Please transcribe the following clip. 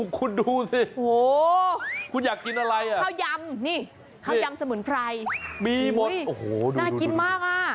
คุณดูสิโอ้โหคุณอยากกินอะไรอ่ะข้าวยำนี่ข้าวยำสมุนไพรมีหมดโอ้โหน่ากินมากอ่ะ